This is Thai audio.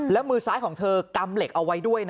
แล้วมือซ้ายของเธอกำเหล็กเอาไว้ด้วยนะ